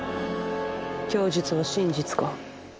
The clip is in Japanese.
供述は真実か？